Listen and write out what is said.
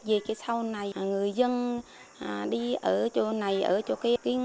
vì sau này người dân đi ở chỗ này ở chỗ kia